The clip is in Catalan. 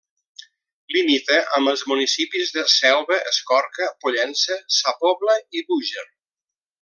Limita amb els municipis de Selva, Escorca, Pollença, Sa Pobla i Búger.